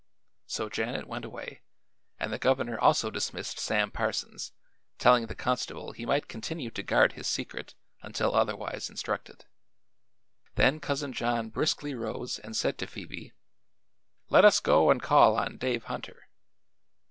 So Janet went away and the governor also dismissed Sam Parsons, telling the constable he might continue to guard his secret until otherwise instructed. Then Cousin John briskly rose and said to Phoebe: "Let us go and call on Dave Hunter."